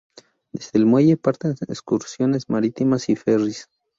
Desde el muelle parten excursiones marítimas y ferris.